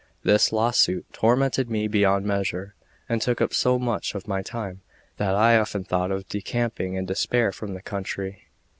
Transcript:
This lawsuit tormented me beyond measure, and took up so much of my time that I often thought of decamping in despair from the country.